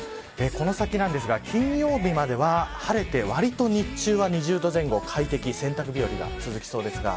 この先ですが、金曜日までは晴れてわりと日中は２０度前後快適な洗濯日和が続きそうです。